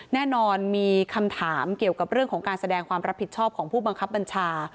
แน่นอนมีคำถามเกี่ยวกับเรื่องของการแสดงความรับผิดชอบของผู้บังคับบัญชา